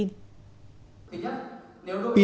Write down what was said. thứ nhất nếu đối với